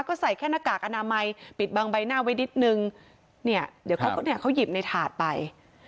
ก็ใส่แค่หน้ากากอนามัยปิดบางใบหน้าไว้นิดนึงเดี๋ยวเขาหยิบในถาดไป